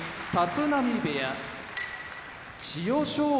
立浪部屋千代翔